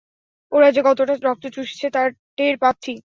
ওরা যে কতোটা রক্ত চুষছে তা টের পাচ্ছি।